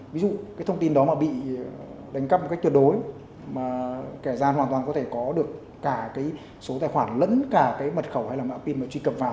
ví dụ cái thông tin đó mà bị đánh cắp một cách tuyệt đối mà kẻ gian hoàn toàn có thể có được cả cái số tài khoản lẫn cả cái mật khẩu hay là mạng pin mà truy cập vào